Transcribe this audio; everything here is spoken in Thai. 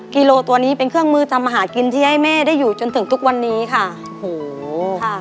กิโลตัวนี้เป็นเครื่องมือทำอาหารกินที่ให้แม่ได้อยู่จนถึงทุกวันนี้ค่ะโหค่ะ